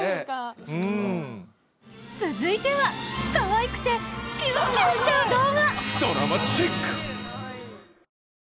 続いてはかわいくてキュンキュンしちゃう動画！